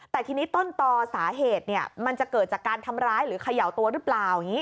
แต่ทีนี้ต้นต่อสาเหตุมันจะเกิดจากการทำร้ายหรือเขย่าตัวหรือเปล่าอย่างนี้